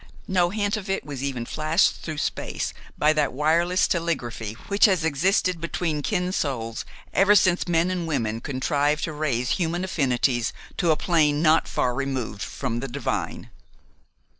No hint of it was even flashed through space by that wireless telegraphy which has existed between kin souls ever since men and women contrived to raise human affinities to a plane not far removed from the divine.